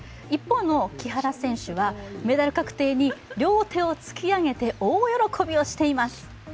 一方の木原選手はメダル確定に両手を突き上げて大喜びをしています。